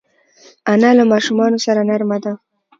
انا له ماشومانو سره نرمه ده